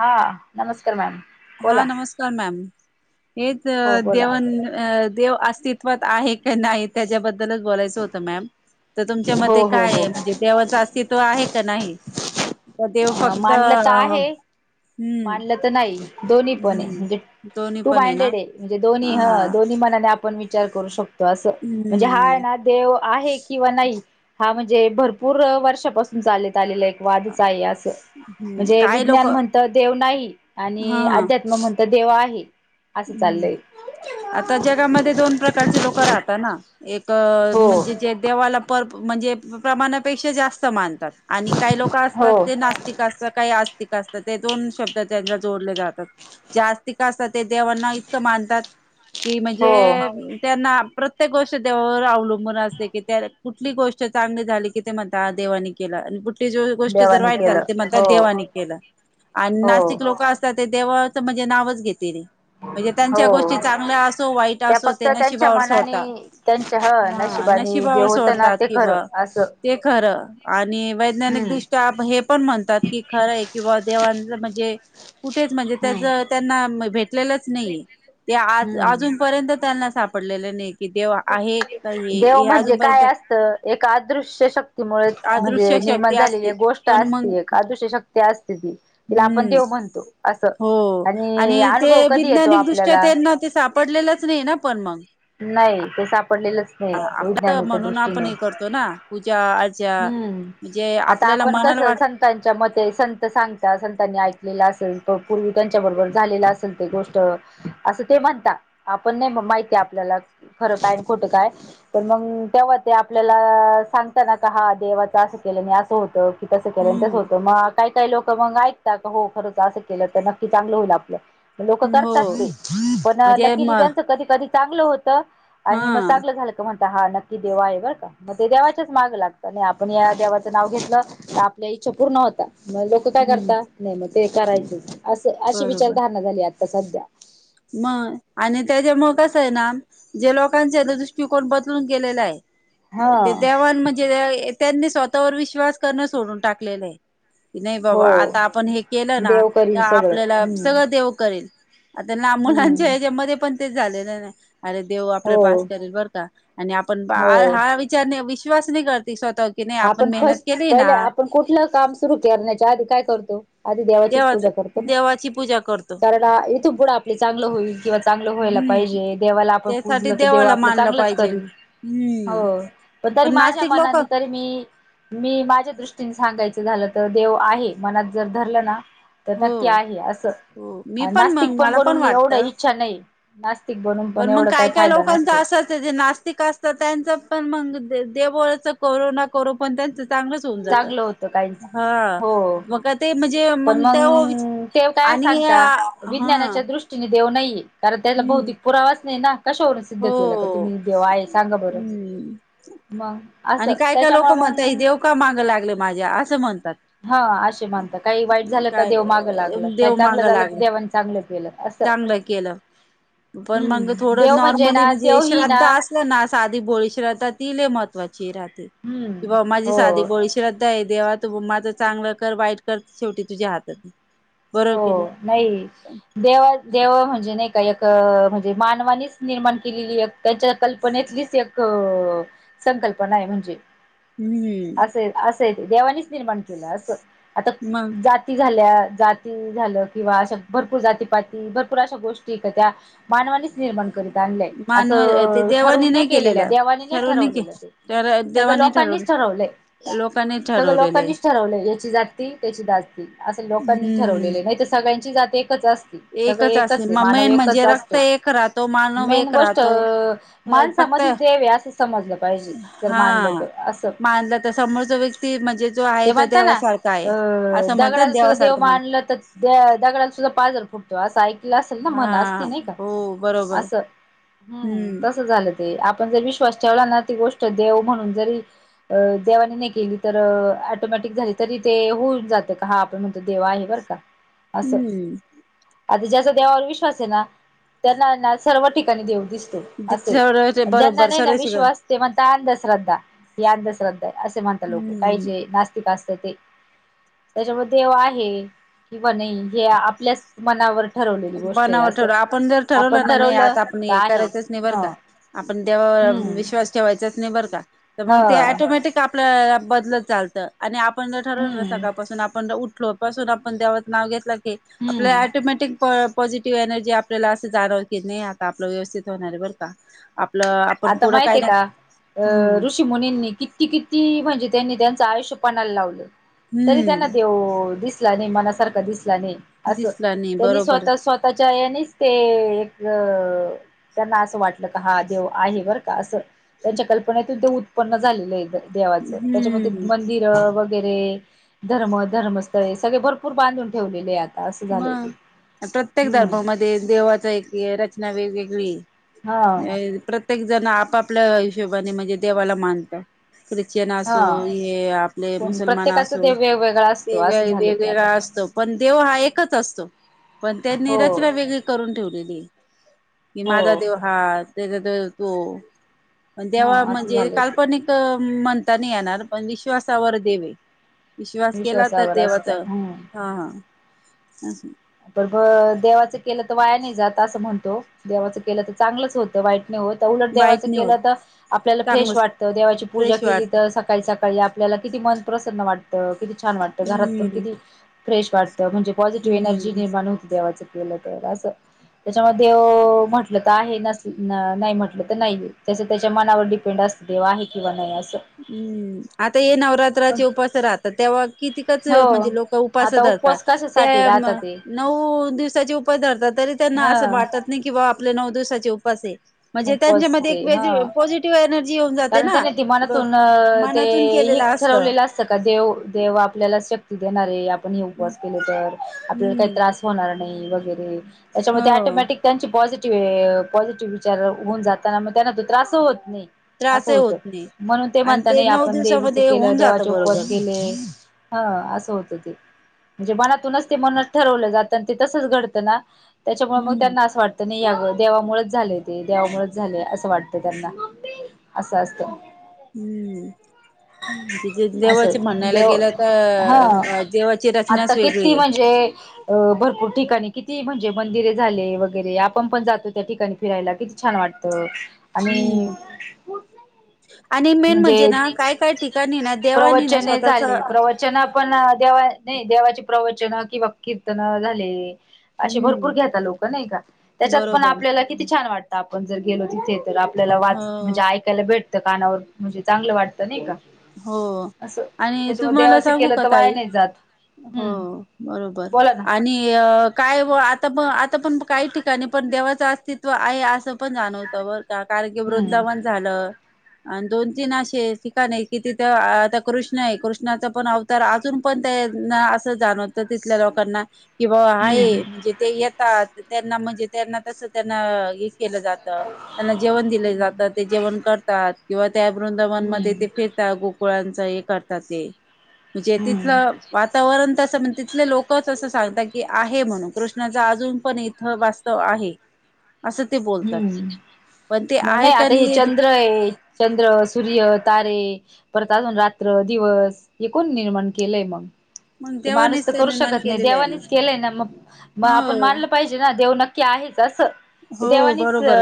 हा नमस्कार मॅम बोला हा नमस्कार मॅम हेच हो बोला देव अन देव अस्तित्वात आहे काय नाही त्याच्याबद्दलच बोलायचं होतं मॅम तर तुमच्या हो मते हो काय हो आहे म्हणजे देवाचं अस्तित्व आहे का नाही तर देव हा फक्त अ, मानलं तर आहे हम्म मानलं तर नाही दोनी पण हाय म्हणजे हम्म दोन्ही टू पण ना माइंडेडेड आहे म्हणजे दोनी ह हा दोनी मनाने आपण विचार करू शकतो असं म्हणजे हा आहे हम्म ना देव आहे किंवा नाही हा म्हणजे भरपूर वर्षापासून चालत आलेला एक वादच आहे आज हम्म म्हणजे काय लोक विज्ञान म्हणत देव नाही हा आणि अध्यात्म म्हणत देव आहे असं हम्म चाललंय आता जगामध्ये दोन प्रकारचे लोक राहतात ना एक हो म्हणजे जे देवाला पर म्हणजे प्रमाणापेक्षा जास्त मानतात आणि काही लोक हो असतात ते नास्तिक अस काही अस असतात ते दोन शब्द त्यांना जोडले जातात आस्तिक असतात ते देवांना इतकं मानतात की म्हणजे हो त्यांना प्रत्येक गोष्ट देवावर अवलंबून असते की त्या कुठली गोष्ट चांगली झाली की ते म्हणतात देवानी केल आणि कुठ गोष्ट जर देवाने वाईट झाली केलं की म्हणतात हो देवानी केलं आणि हो नास्तिक लोक असत्यात ते ते देवाचं म्हणजे नावच घेतेे म्हणजे हो त्यांच्या गोष्टी चांगल्या असो वाईट त्या असो फक्त ते त्यांच्या नशिबावर मनाने सोडता त्यांच्या ह नशिबाने जे नशिबावर होतं ना सोडतात ते खरं किंवा असं ते खरं आणि वैद्यानिक हम्म दृष्ट्या हे पण म्हणतात की खरं आहे किंवा देवांच जर म्हणजे कुठेच म्हणजे त्याच हम्म त्यांना भेटलेलंच नाहीे ते हम्म अजूनपर्यंत त्यांना सापडलेले नाही कि देव आहे का हे देव हे म्हणजे अजूनपर्यंत काय असतं एका अदृश्य शक्तीमुळे म्हणजे अदृश्य शक्ती निर्माण झालेली असते एक गोष्ट पण मग असते एक अदृश्य शक्ती असते ती तिला आपण हम्म देव म्हणतो असं हो आणि ते अनुभव कधी येतो विैज्ञानिकदृष्ट्या आपल्याला त्यांना ते सापडलेलंच नाही ना पण मग पडलेलंच नाही आपलं विज्ञानाच्या म्हणून दृष्टीन आपण हे करतो ना पूजा अर्चा हम्म म्हणजे आता आपल्याला आपण कस मनाला वाट संतांनच्या मग ते संत सांगता संतांनी ऐकलेला असेल पूर्वी त्यांच्याबरोबर झालेलं असेल ते गोष्ट असं ते म्हणतात आपण नाही माहितीय आपल्याला खरं काय खोटं काय तर मग. तेव्हा ते आपल्याला सांगताना. हा देवाच असं केलं नाही असं होतं की तसं केलं तसं हम्म होतं मग. काही काही लोक मग ऐकतात, का हो खरच असं केलं तर नक्की चांगलं होईल आपलं. लोक हो करतात ते, पण म्हणजे म लकीली त्यांच कधी कधी चांगलं होत. हा आणि मग चांगलं झालं का म्हणता हा नक्की देवा आहे बरं का, मग ते देवाच्याच माग लागत. नाही आपण या देवाचं नाव घेतलं तर आपल्या इच्छा पूर्ण होतात मग लोक काय हम्म करतात. ते करायच असं, अशी बरोबर विचारधारणा झाली आता सध्या. जे मग कस आहे ना, जे लोकांच्या दृष्टिकोन बदलून गेलेला आहे. हा ते देवाण म्हणजे त्यांनी स्वतःवर विश्वास करणं सोडून टाकलेलं आहे. कि नाही बाबा हो आता आपण हे केलं ना देव तर करील सगळं आपल्याला हम्म सगळं देव करेल. त्यांनला हम्म मुलांच्या हेच्यामध्येध्ये पण तेच झालेलं अरे देव आपल्या हो पास करेल बरं का. आणि आपण हो बाळ हा विचार नाही, विश्वास नाही करत. आपण फस्ट पहिले आपण कुठलं काम सुरू करण्याच्या आधी काय करतो. आधी देवाचीच देवाच पूजा करतो ना देवाची पूजा करतो कारण इथून पुढं आपले चांगलं होईल. किंवा चांगलं व्हायला हम्म पाहिजे, देवाला आपण त्यासाठी पुजलं तर देव देवाला आपलं मानलं चांगलंच पाहिजे करील. हम्म हो पण तरी माझ्या नास्तिक लोक मनानी तरी मी. मी माझ्या दृष्टीने सांगायचं झालं तर देव आहे, मनात जर धरलं ना. तर हो नक्की आहे, हो मी असं नास्तिक मग पण मला बनून एवढा वाटतं इच्छा नाही. नास्तिक बनून पण मग एवढं काय काही काय फायदा लोकांच नसतो असंच जे नास्तिक असतात त्यांच पण मग दे. ते करू ना करू पण त्यांच. चांगलच होऊन जात चांगलं होतं काहीच ह हो मग काय ते. पण मग ते मग ते काय आणि सांगता हा विज्ञानाच्या दृष्टीने. देव नाहीये कारण त्याला हम्म भौतिक पुरावाच नाही ना कशावरून. सिद्ध हो केलं का तुम्ही देव आहे सांगा बरं. हम्म मग असं आणि काय काय लोक त्याच्यामुळे म्हणताय मंग. देव का मागं लागले माझ्या असं म्हणतात हा असे म्हणतात, काही वाईट झालं का काय देव माग लागलं, काही देव चांगलं मागं झालं तर लागले देवानी चांगलं केलं का. चांगलं केलं पण मग हम्म थोडं. देव नॉर्मली ना म्हणजे, देव ही ना श्रद्धा असल ना साधी भोळी श्रद्धा ती लई महत्वाची. राहते हम्म किंवा माझी हो साधी बोळी श्रद्धा आहे, देव्हा तू माझंच. चांगलं कर, वाईट कर, शेवटी तुझ्या हातात. बरोबर हो की नाही देवा देव म्हणजे नाही. काही एक म्हणजे मानवानीच निर्माण केलेली एक त्यांच्या कल्पनेतलीच एक. संकल्पना आहे म्हणजे. हम्म असेल असेल देवानीच निर्माण केलं असं, आता मग जाती झाल्या. झालं किंवा अश भरपूर जातीपाती भरपूर अशा गोष्टी त्या मानवानीच निर्माण. अस मानव ते देवानी ठरवून नाही केकेल्या केलेलं देवानी नाही ठरवून की ठरवलेलं ते तर सगळ देवाने लोकांनी.. ठरवलं ठरवलय लोकांनी सगळं ठरवलेलं आहे. लोकांनीच ठरवलं याची जात ती त्याची जात ती असं लोकांनी. हम्म ठरवलेले नाही तर सगळ्यांची जात एकच असते. सगळे एकच असते आहे, म मानव मेन म्हणजे एकच रक्त असतो एक राहतो मानव मेन एक गोष्ट राहतो. माणसा. फक्त मधिच देवये असं समजलं पाहिजे जर हा मानलं तर असं. मानला तर समोरचा व्यक्ती म्हणजे जो आहे ते तो म्हणता ना देवासारखा आहे. अ असं म्हणतात दगडाला सुद्धा देव. देवासारखं म्हण मानलं तर दगडाला सुद्धा पाझर फुटतो अस आई. आईल असेल ना मला अस हा नाही का हो बरोबर अस हम् हम्म तस झालं. ते आपण जर विश्वास ठेवला ना ती गोष्ट देव म्हणून जरी अ देवानी नाही केली तर. ऑटोमॅटिक झाली तरी ते होऊन जातं का हा आपण म्हणतो देवा आहे बरं का. असं हम्म. आता ज्याचा देवावर विश्वास आहे ना त्यांना सर्व ठिकाणी देव दिसतो. असे. बरोबर सर्व शिकल अंधश्रद्धा ही अंधश्रद्धा आहे असे म्हणतात लोक काही हम्म जे नास्तिक असतात. त्याच्यामध्ये देव आहे किंवा नाही हे आपल्याच मनावर ठरवलेली गोष्ट आहे बनाव असं ठरवलं आपण जर आपण ठरवलं ना नाही आता आपण तर हे आहे करायचंच नाही ह बरं का आपण तेववर हम्म विश्वास ठेवायचा म ब ह आपण ठरवलं ना हम्म सकाळपासून आपण उठलो पासून आपण देवचं नाव घेतलं की हम्म आपल्या टोमॅटिक पॉझिटिव्ह एनर्जी आपल्याला असं जाणव की नाही आता आपलं व्यवस्थित होणार आहे बरं का आपलं आपण आता पुढं माहित काय आहे ना का अ हम्म ऋषी मुनींनी किती किती म्हणजे त्यांनी त्यां श पाणा लावल तरी त्यांना हम्म देव दिसला आणि मनासारख दिस दिसला नाही त्यांनी बरोबर स्वतः स्वतः चयनीच ते एक त्यांना असं वाटलं क हा देव आहे बर का असं त्यांच्या कल्पनेतून ते उत्पन्न झालेलं आहे देवाचं त्याच्यामध्ये हम्म मंदिर वगर वगैरे धर्म धर्मस्थळे सगळे भरपूर बांधून ठेवलेले आहेत म प्रत्येक धर्मामध्ये देवाचा एक रचना वेगवेगळी हा प्रत्येक जण आपापल्या हिशोबाने म्हणजे देवाला मानतात ख्रिश्चन हा असो हे आपले कोण मुसलमान प्रत्येकाचा असो ते वेगवेगळा असतो वेग असं झालंय ते वेगवेगळा आता. असतो पण देव हा एक असतो पण त्यांनी हो रचना वेगळी करून ठेवलेली आहे कि हो माझा देव हा त्याच्या तर तो पण ह देवा असं म्हणजे झालंय ते काल्पनिक म्हणताना येणार पण विश्वासावर देवे विश्वास केला तर विश्वासावर असतो देवाचा हम्म हा हा हम्म पण देवाचं केलं तर वाया नाही जात असं म्हणतो देवाचं केलं तर चांगलंच होतं वाईट होत उलट वाईट देवाच नाही होत केलं तर आपल्याला फ्रेश चांगलंच वाटतं देवाची पूजा फ्रेश केली वाटत तर सकाळी स का आपल्याला किती मन प्र्रसन्न वाटतं किती छान वाटतं घरात पण हम्म किती फ्रेश वाटत म्हणजे पॉझिटिव्ह एनर्जी हम्म निर्माण होती देवाचं केलं तर असं त्याच्यामध्ये म्हटलं तर आहे नस नाही म्हटलं तर नाही त्याच त्याच्या मनावर डिपेंड देवा आहे किंवा नाही असं हम्म आता हे पण नवरात्राचे उपास राहता तेव्हा कितीकच हो म्हणजे लोक उपास आता उपवास त्या कशासाठी राहता ते नऊ दिवसाचे उपास धरतात तरी त्यांना ह असं वाटत नाही कि बा आपले नऊ दिवसाचे उपास आहे म्हणजे त्यांच्यामध्ये उपवासचे एक वे हा पॉझिटिव्ह एनर्जी होऊन जाते ना ब ून ते मनातून हे केलेलं असत ठरवलेलं असतं का देव देव आपल्याला शक्ती आपण हे उपवास केले तर आपल्याला काही हम्म त्रास होणार नाही वगैरे त्याच्यामुळे हो टोमॅटिक त्यांची पॉझिटिव्ह पॉझिटिव्ह विचार होऊन जाताना मग त्यांना तो त्रास होत नाही असं त्रासही होत होतं नाही. म्हणून ते आणि म्हणता नाही नऊ आपण देवीच दिवसामध्ये केलं होऊन जात देवाचे बरोबर उपवास केले ह असं होत ते म्हणजे मनातूनच ते मनत ठरवलं जात आणि ते तसच घडतं ना त्याच्यामुळे मग हम्म त्यांना असं वाटतं नाही या गं देवामुळेच झाले ते देवामुळेच झाले असं वाटत त्यांना असं असत हम्म जिथे देवाच असं म्हणायला देव गेलं हा तर देवाची आता रचनाच वेगळी किती आहे म्हणजे अ भरपूर ठिकाणी किती म्हणजे मंदिरे झाले वगैरे आपण पण जातो त्या ठिकाणी फिरायला किती छान वाटतं आणि हम्म आणि मेन म्हणजे ना काय काय ठिकाणी ना देवानी ना प्रवचने स्वतःच झाले प्रवचन पण नाही देवाचे प्रवचन किंवा कीर्तन झाले असे भरपूर हम्म घेता लोक नाही का त्याच्यात पण बरोबर आपल्याला किती छान वाटत आपण जर गेलो तिथे तर आपल्याला वाच हो म्हणजे ऐकायला भेटतं कानावर म्हणजे चांगलं वाटतं नाही का हो असं आणि त्याच्यामध्ये तुम्हाला देवाचं सांगू केलं का तर वाया ताई नाही जात हो हम्म बरोबर बोला ना आणि काय आता म आ आता पण काही ठिकाणी पण देवाचं अस्तित्व आहे असं पण जाणवत ब कारगी हम्म वृंदावन झालं आणि दोन तीन असे ठिका नाही कि तिथं आता कृष्ण आहे कृष्णाचा पण अवतार अजून पण ते असं जाणवतं तिथल्या लो कना किं हम्म आहे म्हणजे ते येतात त्यांना म्हणजे त्यांना तस त्यांना केलं जात त्यांना जेवण दिलं जातं ते जेवण करतात किंवा त्या वृंद हम्म मनमध्येध्ये ते गोकु करत ते म्हणजे तिथ हम्म वातावरण तिथले लोकच असं सांगतात की आहे म्हणून कृष्णाच अजून पण इथं वास्तव आहे ह हम्म मग आहे नाही का आता हे चंद्र आहे चंद्र सूर्य तारे परत अजून रात्र दिवस हे कोण निर्माण केलंय मग मग ते माणूस देवानेच तर करू निर्माण शकत नाही केलेलं आहे देवानीच केलाय ना मग म आपण मानलं हो पाहिजे ना देव नक्की हो देनी बरोबर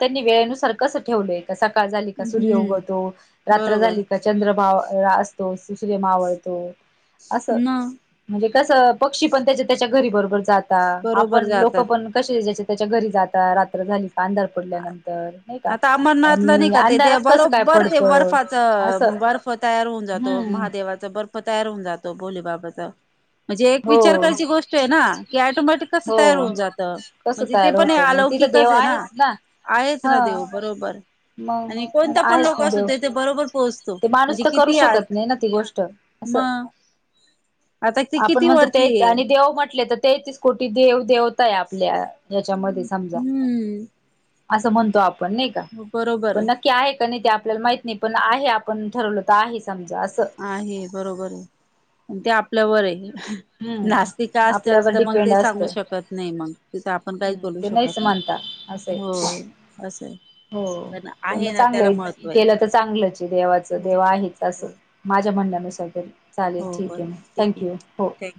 त्यांनी वेळेनुसार कस ठेवलंय का सकाळ झाली का सूर्य हम्म उगवतो रात्र बरोबर झाली का चंद्रभाव असतो दशले मावळतो असं न म्हणजे तसं पक्षी पण त्याच्या त्याच्या घरी बरोबर जाता बरोबर आपण लोक जातात पण कसे त्याच्या त्याच्या घरी जात रात्र झाली अंधार पडल्यानंतर नाही का आता अमरनाथला नाही आणि का ते ते अंधारच कसं काय बरोबर ते पडतं बर्फाच असं बर्फ तयार होऊन जातो हम्म महादेवाचा बर्फ तयार होऊन जातो भोलेबाबाच म्हणजे एक हो विचार करायची गोष्ट आहे ना की टोमॅटिक कसं हो तयार होऊन जातं कसं म्हणजे ते तयार पण होतं मग अलौकिक तिथं देव आहेच ना आहेच ह ना देव बरोबर मग आणि मग कोणता पण आहेच लोक ना देव असूत ते बरोबर पोहोचतो ते माणूस म्हणजे तर करू किती आळ शकत नाही ना ती गोष्ट म असं आता कि आपण म्हणतो तेच आणि देव म्हण टले तर तेहतीस कोटी देव देवताय आपल्या याच्यामध्ये समजा हम्म असं म्हणतो आपण नाही का बरोबर पण नक्की आहे का नाही ते आपल्याला माहत नाही पण आहे आपण ठरवलं तर आहे समजा असं आहे बरोबर आहे आणि ते आपल्यावर आहे नास्तिका हम्म असेल आपल्यावर तर मग डिपेंड ते असत सांगू शकत नाही मग तिथं आपण काहीच हम्म बोलू ते नाहीच शकत नाही म्हणता असं हो असं आहे हो पण आहे मग ना त्याला चांगलं महत्त्व आहे. केलं तर चांगलंच देवाचं हो देव आहेच असं हो माझ्या म्हणण्यानुसार तर चालेल हो ठीक बरोबर आहे म ठीक थँक आहे यू हो थँक्यू.